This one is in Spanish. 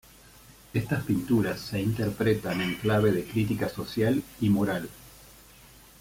Estas pinturas se interpretan en clave de crítica social y moral.